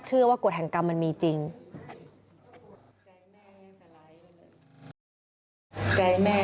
ใจแม่สลายไปเลย